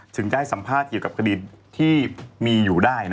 ถึงจะให้สัมภาษณ์เกี่ยวกับคดีที่มีอยู่ได้